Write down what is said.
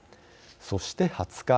そして２０日。